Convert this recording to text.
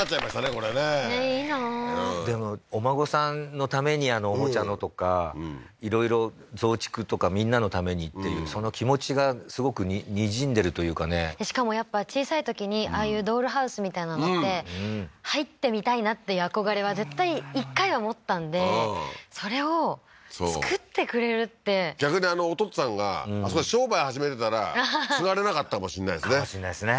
これねいいなでもお孫さんのためにおもちゃのとかいろいろ増築とかみんなのためにっていうその気持ちがすごくにじんでるというかねしかもやっぱ小さいときにああいうドールハウスみたいなのって入ってみたいなっていう憧れは絶対一回は持ったんでそれを造ってくれるって逆にあのおとっつぁんがあそこで商売始めてたら継がれなかったかもしれないですねかもしれないですね